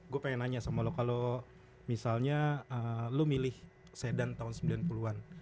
gue pengen nanya sama lo kalo misalnya lo milih sedan tahun sembilan puluh an